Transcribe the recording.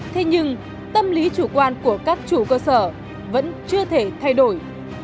thế nhưng tâm lý chủ quan của các chủ cơ sở vẫn chưa thể thay đổi